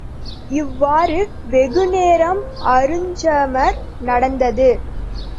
இவ்வாறு வெகுநேரம் அருஞ்சமர் நடந்தது.